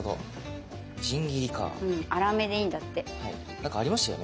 何かありましたよね